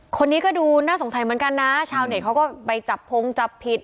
คนนี้ก็ดูน่าสงสัยเหมือนกันนะชาวเน็ตเขาก็ไปจับพงจับผิด